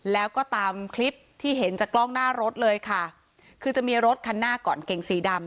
แล้วก็ตามคลิปที่เห็นจากกล้องหน้ารถเลยค่ะคือจะมีรถคันหน้าก่อนเก่งสีดำ